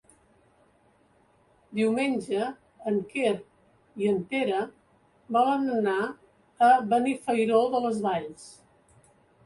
Diumenge en Quer i en Pere volen anar a Benifairó de les Valls.